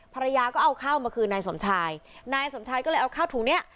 ภรรยาก็เอาข้าวมาคืนนายสมชายนายสมชายก็เลยเอาข้าวถุงเนี้ย